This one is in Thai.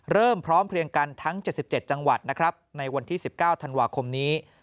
เริ่มพร้อมเคลียงกันทั้ง๗๗จังหวัดในวันที่๑๙ธันวาคมนี้